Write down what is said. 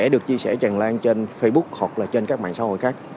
được chia sẻ tràn lan trên facebook hoặc là trên các mạng xã hội khác